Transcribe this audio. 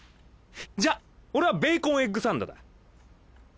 じゃあ俺はベーコンエッグサンドだ。